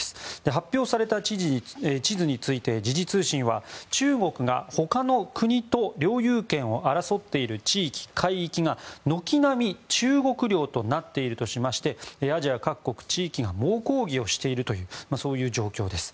発表された地図について時事通信は中国が他の国と領有権を争っている地域・海域が軒並み中国領となっているとしましてアジア各国・地域が猛抗議しているという状況です。